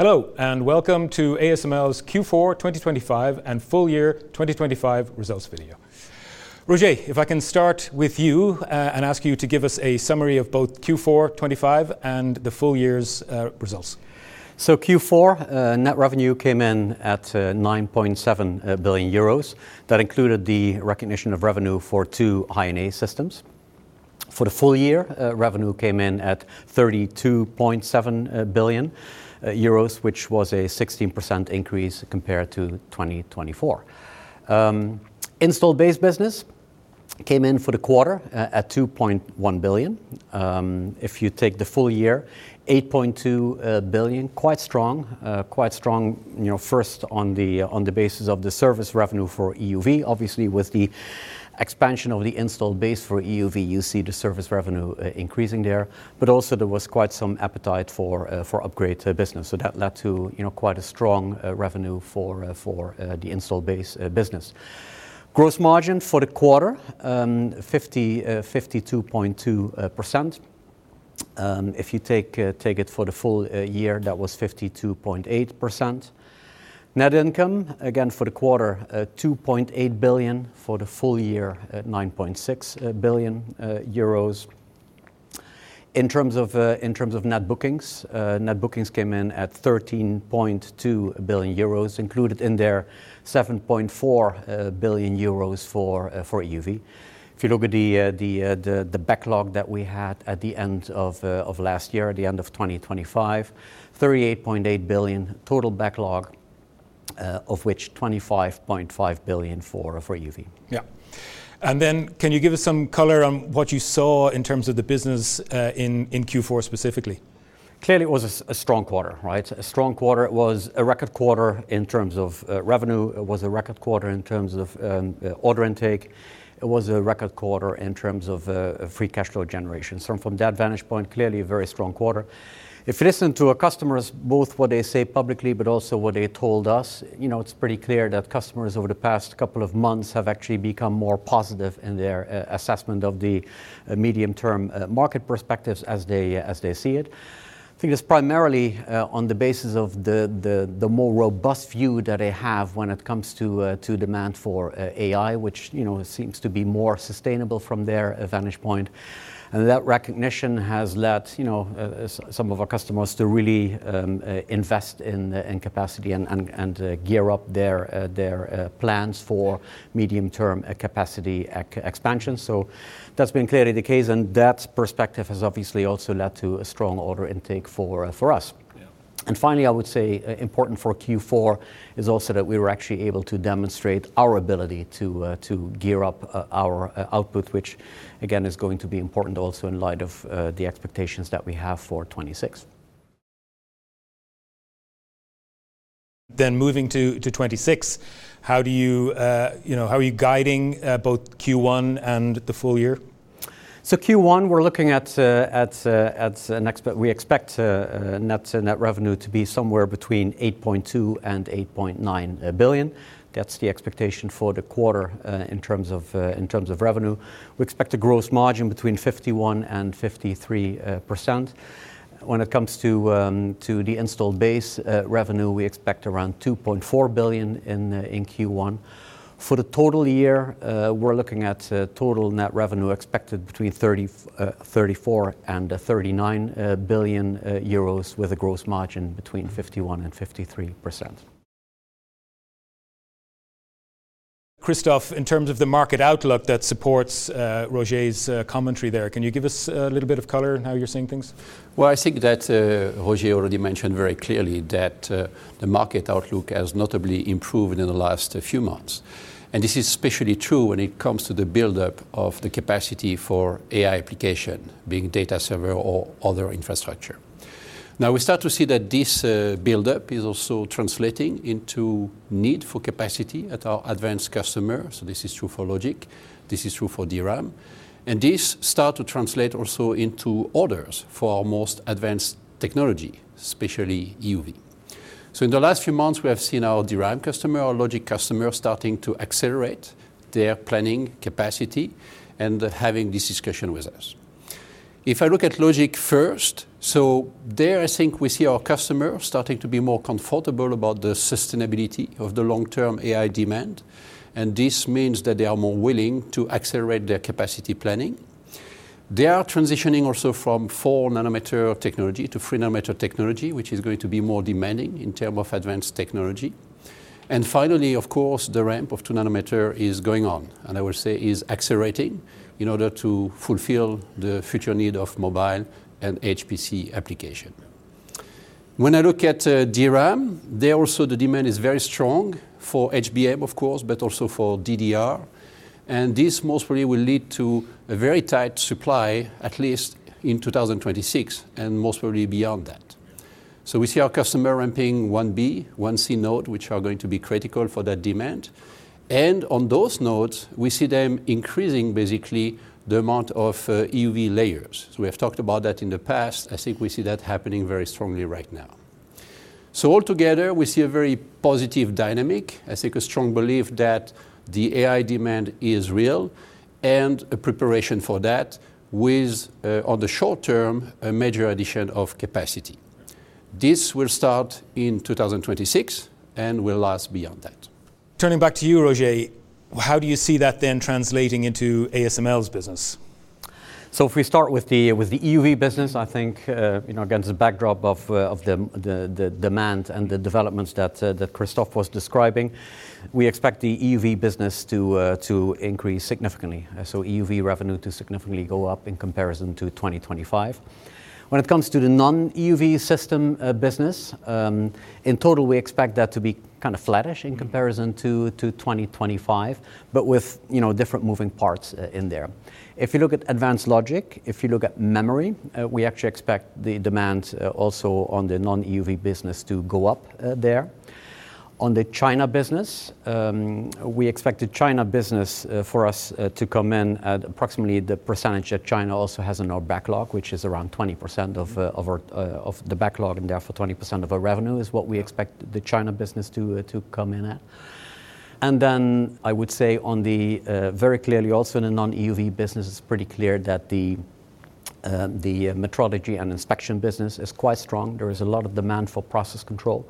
Hello, and welcome to ASML's Q4 2025 and full year 2025 results video. Roger, if I can start with you, and ask you to give us a summary of both Q4 2025 and the full year's results. So Q4, net revenue came in at 9.7 billion euros. That included the recognition of revenue for two High-NA systems. For the full year, revenue came in at 32.7 billion euros, which was a 16% increase compared to 2024. Installed base business came in for the quarter at 2.1 billion. If you take the full year, 8.2 billion, quite strong. Quite strong, you know, first on the, on the basis of the service revenue for EUV. Obviously, with the expansion of the installed base for EUV, you see the service revenue increasing there. But also there was quite some appetite for, for upgrade business, so that led to, you know, quite a strong revenue for, for the installed base business. Gross margin for the quarter, 52.2%. If you take it for the full year, that was 52.8%. Net income, again for the quarter, 2.8 billion, for the full year, 9.6 billion euros. In terms of net bookings, net bookings came in at 13.2 billion euros. Included in there, 7.4 billion euros for EUV. If you look at the backlog that we had at the end of last year, at the end of 2025, 38.8 billion total backlog, of which 25.5 billion for EUV. Yeah. And then can you give us some color on what you saw in terms of the business in Q4 specifically? Clearly, it was a strong quarter, right? A strong quarter. It was a record quarter in terms of revenue. It was a record quarter in terms of order intake. It was a record quarter in terms of free cash flow generation. So from that vantage point, clearly a very strong quarter. If you listen to our customers, both what they say publicly, but also what they told us, you know, it's pretty clear that customers over the past couple of months have actually become more positive in their assessment of the medium-term market perspectives as they see it. I think it's primarily on the basis of the more robust view that they have when it comes to to demand for AI, which, you know, seems to be more sustainable from their vantage point. That recognition has led, you know, some of our customers to really invest in capacity and gear up their plans for medium-term capacity expansion. So that's been clearly the case, and that perspective has obviously also led to a strong order intake for us. Yeah. Finally, I would say, important for Q4 is also that we were actually able to demonstrate our ability to gear up our output, which, again, is going to be important also in light of the expectations that we have for 2026. Then moving to 2026, you know, how are you guiding both Q1 and the full year? So Q1, we're looking at an expectation we expect net revenue to be somewhere between 8.2 billion-8.9 billion. That's the expectation for the quarter in terms of revenue. We expect a gross margin between 51%-53%. When it comes to the installed base revenue, we expect around 2.4 billion in Q1. For the total year, we're looking at total net revenue expected between 34 billion-39 billion euros, with a gross margin between 51%-53%. Christophe, in terms of the market outlook that supports Roger's commentary there, can you give us a little bit of color on how you're seeing things? Well, I think that, Roger already mentioned very clearly that, the market outlook has notably improved in the last few months. And this is especially true when it comes to the build-up of the capacity for AI application, being data server or other infrastructure. Now, we start to see that this, build-up is also translating into need for capacity at our advanced customers. So this is true for logic, this is true for DRAM. And this start to translate also into orders for our most advanced technology, especially EUV. So in the last few months, we have seen our DRAM customer, our logic customer, starting to accelerate their planning capacity and having this discussion with us. If I look at logic first, so there, I think we see our customers starting to be more comfortable about the sustainability of the long-term AI demand, and this means that they are more willing to accelerate their capacity planning. They are transitioning also from 4-nm technology to 3-nm technology, which is going to be more demanding in term of advanced technology. And finally, of course, the ramp of 2nm is going on, and I will say is accelerating in order to fulfill the future need of mobile and HPC application. When I look at, DRAM, there also the demand is very strong for HBM, of course, but also for DDR, and this most probably will lead to a very tight supply, at least in 2026, and most probably beyond that. So we see our customer ramping 1b, 1c node, which are going to be critical for that demand. And on those nodes, we see them increasing basically the amount of, EUV layers. So we have talked about that in the past. I think we see that happening very strongly right now. So altogether, we see a very positive dynamic, I think a strong belief that the AI demand is real, and a preparation for that with, on the short term, a major addition of capacity. This will start in 2026 and will last beyond that. Turning back to you, Roger, how do you see that then translating into ASML's business? So if we start with the EUV business, I think, you know, against the backdrop of the demand and the developments that Christophe was describing, we expect the EUV business to increase significantly. So EUV revenue to significantly go up in comparison to 2025. When it comes to the non-EUV system business, in total, we expect that to be kind of flattish in comparison to 2025, but with, you know, different moving parts in there. If you look at advanced logic, if you look at memory, we actually expect the demand also on the non-EUV business to go up there. On the China business, we expect the China business for us to come in at approximately the percentage that China also has in our backlog, which is around 20% of our backlog, and therefore, 20% of our revenue is what we expect the China business to come in at. And then I would say on the very clearly also in the non-EUV business, it's pretty clear that the metrology and inspection business is quite strong. There is a lot of demand for process control,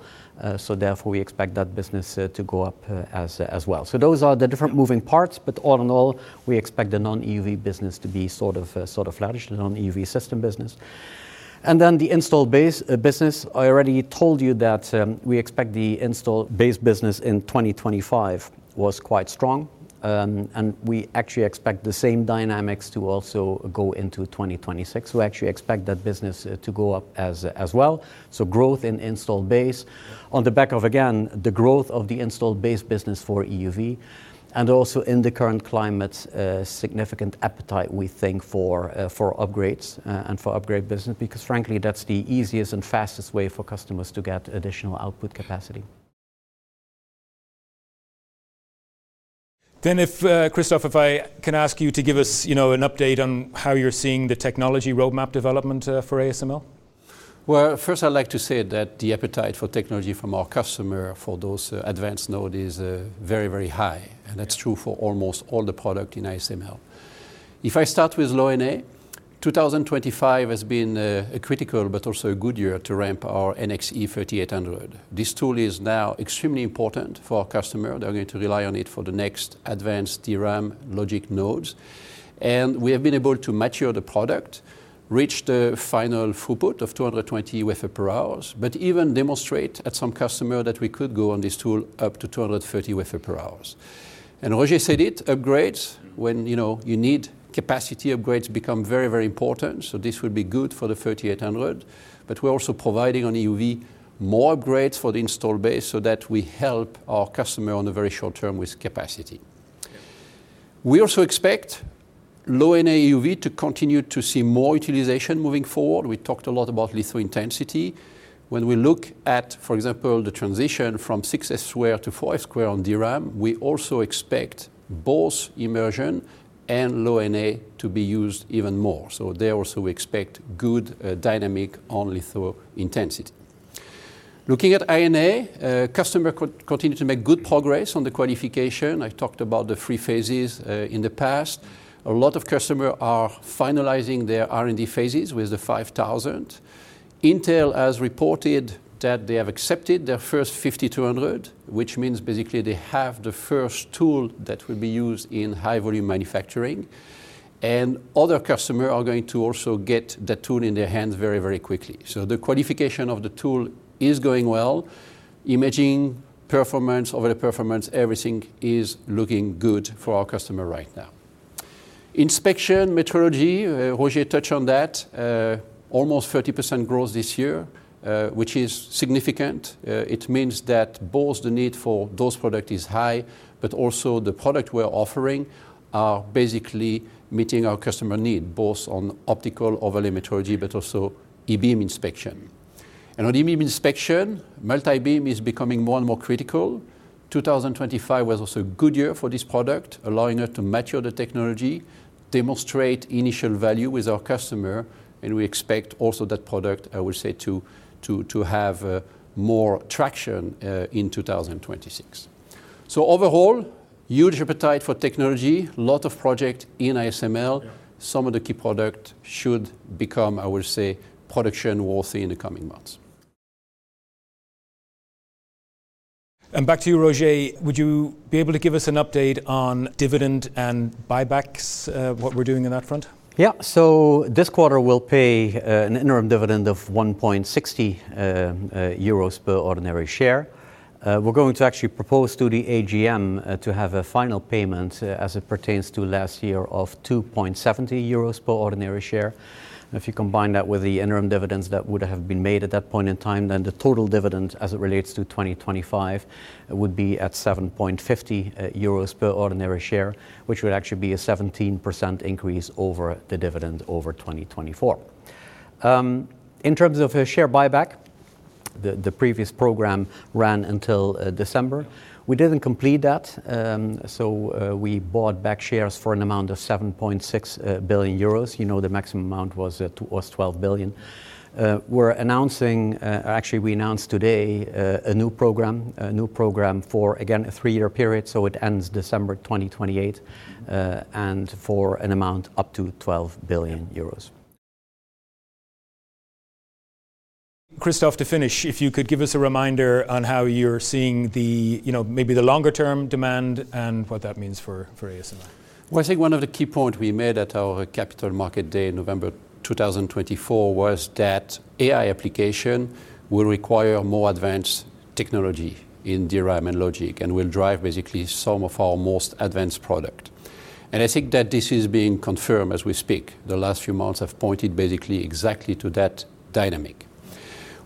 so therefore, we expect that business to go up as well. So those are the different moving parts, but all in all, we expect the non-EUV business to be sort of flattish, the non-EUV system business. And then the installed base business, I already told you that, we expect the installed base business in 2025 was quite strong. And we actually expect the same dynamics to also go into 2026. We actually expect that business to go up as well, so growth in installed base. On the back of, again, the growth of the installed base business for EUV, and also in the current climate, a significant appetite, we think, for upgrades and for upgrade business, because frankly, that's the easiest and fastest way for customers to get additional output capacity. If, Christophe, if I can ask you to give us, you know, an update on how you're seeing the technology roadmap development, for ASML? Well, first, I'd like to say that the appetite for technology from our customer for those advanced node is very, very high, and that's true for almost all the product in ASML. If I start with Low-NA, 2025 has been a critical but also a good year to ramp our NXE 3800. This tool is now extremely important for our customer. They're going to rely on it for the next advanced DRAM logic nodes. And we have been able to mature the product, reach the final throughput of 220 wafers per hour, but even demonstrate at some customer that we could go on this tool up to 230 wafers per hour. Roger said it, upgrades, when, you know, you need capacity, upgrades become very, very important, so this would be good for the 3800. But we're also providing on EUV more upgrades for the installed base so that we help our customer on a very short term with capacity. We also expect Low-NA EUV to continue to see more utilization moving forward. We talked a lot about litho intensity. When we look at, for example, the transition from 6F² to 4F² on DRAM, we also expect both immersion and Low-NA to be used even more. So there also we expect good dynamic on litho intensity. Looking at High-NA, customers continue to make good progress on the qualification. I've talked about the three phases in the past. A lot of customers are finalizing their R&D phases with the 5000. Intel has reported that they have accepted their first 5200, which means basically they have the first tool that will be used in high volume manufacturing, and other customer are going to also get the tool in their hands very, very quickly. The qualification of the tool is going well. Imaging, performance, overlay performance, everything is looking good for our customer right now. Inspection, metrology, Roger touched on that. Almost 30% growth this year, which is significant. It means that both the need for those product is high, but also the product we're offering are basically meeting our customer need, both on optical, overlay metrology, but also E-beam inspection. On E-beam inspection, multi-beam is becoming more and more critical. 2025 was also a good year for this product, allowing it to mature the technology, demonstrate initial value with our customer, and we expect also that product, I would say, to have more traction in 2026. So overall, huge appetite for technology, lot of project in ASML. Yeah. Some of the key product should become, I would say, production worthy in the coming months. Back to you, Roger, would you be able to give us an update on dividend and buybacks, what we're doing on that front? Yeah. So this quarter, we'll pay an interim dividend of 1.60 euros per ordinary share. We're going to actually propose to the AGM to have a final payment as it pertains to last year, of 2.70 euros per ordinary share. If you combine that with the interim dividends that would have been made at that point in time, then the total dividend, as it relates to 2025, would be at 7.50 euros per ordinary share, which would actually be a 17% increase over the dividend over 2024. In terms of a share buyback, the previous program ran until December. We didn't complete that, so we bought back shares for an amount of 7.6 billion euros. You know, the maximum amount was 12 billion. We're announcing. Actually, we announced today, a new program, a new program for, again, a three-year period, so it ends December 2028, and for an amount up to 12 billion euros. Christophe, to finish, if you could give us a reminder on how you're seeing the, you know, maybe the longer-term demand and what that means for ASML. Well, I think one of the key points we made at our Capital Markets Day in November 2024 was that AI application will require more advanced technology in DRAM and logic, and will drive basically some of our most advanced product. And I think that this is being confirmed as we speak. The last few months have pointed basically exactly to that dynamic.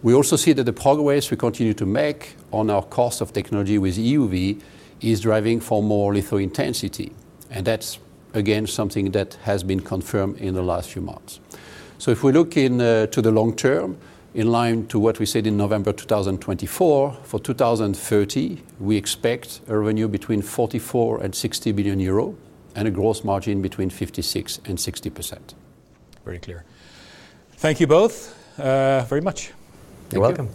We also see that the progress we continue to make on our cost of technology with EUV is driving for more litho intensity, and that's, again, something that has been confirmed in the last few months. So if we look in, to the long term, in line to what we said in November 2024, for 2030, we expect a revenue between 44 billion and 60 billion euro and a gross margin between 56% and 60%. Very clear. Thank you both, very much. Thank you. You're welcome.